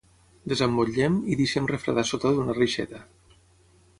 Desemmotllem, i deixem refredar sota d'una reixeta.